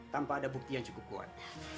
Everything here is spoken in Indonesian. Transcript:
tanpa ada bukti yang cukup kuat